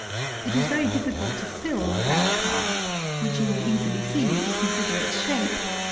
It is very difficult to fill the bell cask, which you will easily see if you consider its shape.